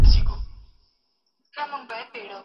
که لابراتوار خوندي وي، زده کوونکي نه ټپي کېږي.